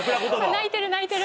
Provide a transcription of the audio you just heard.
泣いてる泣いてる。